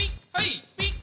ピッ！